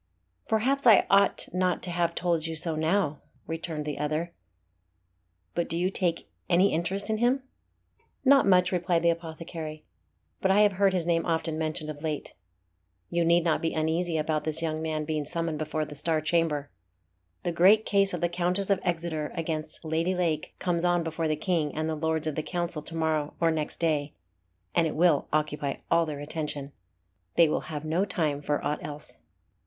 "Perhaps I ought not to have told you so now," returned the other. "But do you take any interest in him?" "Not much," replied the apothecary; "but I have heard his name often mentioned of late. You need not be uneasy about this young man being summoned before the Star Chamber. The great case of the Countess of Exeter against Lady Lake comes on before the King and the Lords of the Council to morrow or next day, and it will occupy all their attention. They will have no time for aught else."